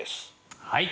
はい。